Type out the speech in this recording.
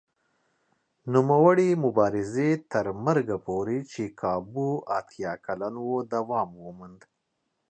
نوموړي مبارزې تر مرګه پورې چې کابو اتیا کلن و دوام وموند.